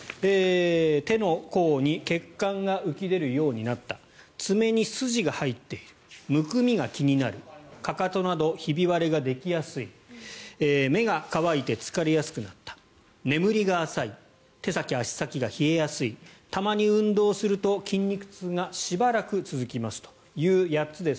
手の甲に血管が浮き出るようになった爪に筋が入っているむくみが気になるかかとなどひび割れができやすい目が乾いて疲れやすくなった眠りが浅い手先、足先が冷えやすいたまに運動すると筋肉痛がしばらく続きますという８つです。